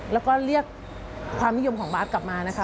แล้วก็เรียกความนิยมของบาร์ดกลับมานะคะ